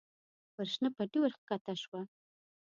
پر شنه پټي ور کښته شوه.